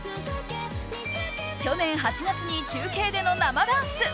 去年８月に中継での生ダンス。